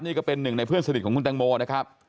นี่ก็เป็นหนึ่งในเพื่อนสนิทของคุณตังโมนะครับ